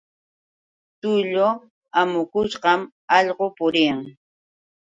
Tulla amukushqam allqu puriyan.